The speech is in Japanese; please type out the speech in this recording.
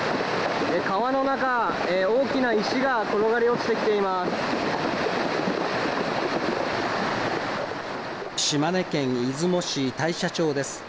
川の中、大きな石が転がり落ちて島根県出雲市大社町です。